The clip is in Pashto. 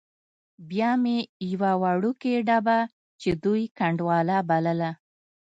بیا مې یوه وړوکې ډبه چې دوی ګنډولا بلله.